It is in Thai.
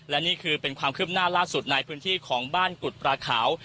และนี่คือเป็นความคืบหน้าล่าสุดในพื้นที่ของบ้านกุฎปลาขาว